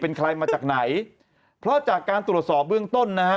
เป็นใครมาจากไหนเพราะจากการตรวจสอบเบื้องต้นนะฮะ